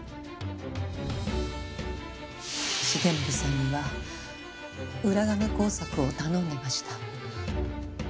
重森さんには裏金工作を頼んでました。